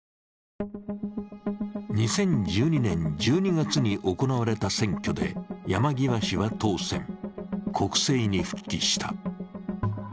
２０１２年１２月に行われた選挙で山際氏は当選、国政に復帰した。